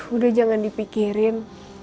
udah jangan dipikirin